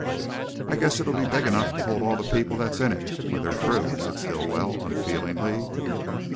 "I guess it'll be big enough to hold all the people that's in it when they're through," said Stilwell, unfeelingly.